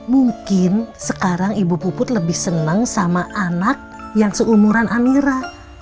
mungkin sekarang ibu puput lebih seneng sama anak yang seumuran amira